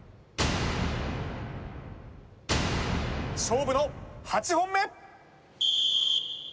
勝負の８本目！